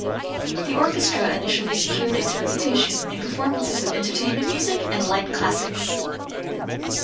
The orchestra initially secured its reputation in performances of entertainment music and light classics.